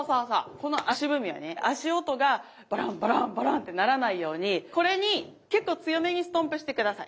この足踏みはね足音がバランバランバランってならないようにこれに結構強めにストンプして下さい。